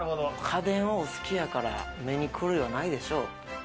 家電はお好きやから、目に狂いはないでしょう。